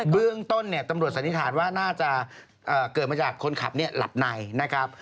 เบื้องต้นตำรวจสันนิษฐานว่าน่าจะเกิดมาจากคนขับหลับในนะครับ